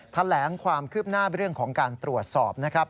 แถลงความคืบหน้าเรื่องของการตรวจสอบนะครับ